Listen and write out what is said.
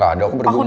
gak ada aku bergumam